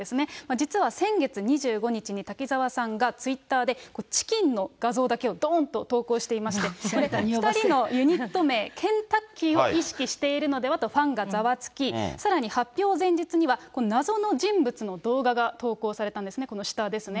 実は先月２５日に、滝沢さんがツイッターで、チキンの画像だけをどーんと投稿していまして、２人のユニット名、ケン・タッキーを意識しているのではと、ファンがざわつき、さらに発表前日には、この謎の人物の動画が投稿されたんですね、この下ですね。